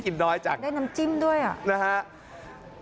กินน้อยจังได้น้ำจิ้มด้วยอ่ะนะครับ